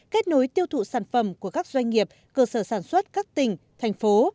kết nối tiêu thụ sản phẩm của các doanh nghiệp cơ sở sản xuất các tỉnh thành phố